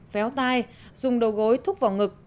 véo tay dùng đầu gối thúc vào ngực